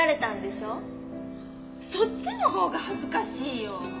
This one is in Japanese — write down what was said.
そっちのほうが恥ずかしいよ。